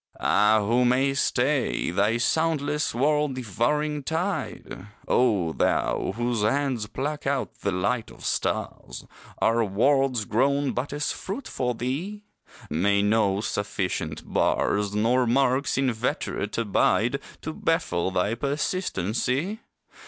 Ah, who may stay Thy soundless world devouring tide? O thou whose hands pluck out the light of stars, Are worlds grown but as fruit for thee? May no sufficient bars, Nor marks inveterate abide To baffle thy persistency?